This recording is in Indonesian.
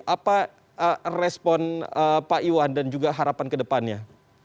apa respon pak iwan dan juga harapan kedepannya